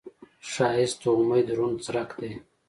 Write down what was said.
ښایست د امید روڼ څرک دی